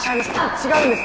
違うんです！